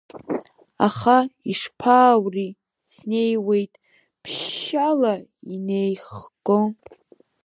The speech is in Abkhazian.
Аха ишԥааури, снеиуеит ԥшьшьала инеихго.